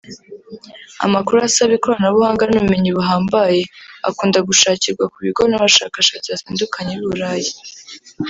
Amakuru asaba ikoranabuhanga n’ubumenyi buhambaye akunze gushakirwa ku bigo n’abashakashatsi batandukanye b’i Burayi